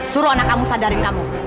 suruh anak kamu sadarin kamu